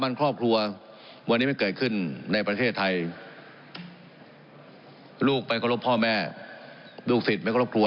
ท่านถามแบบนี้นะคะ